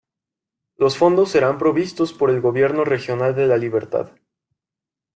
Los fondos serán provistos por el gobierno regional de La Libertad.